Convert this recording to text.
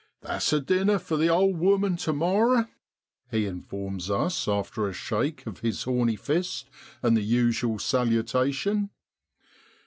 6 That's a dinner for the old woman tu morrow,' he informs us after a shake of his horny fist and the usual salutation.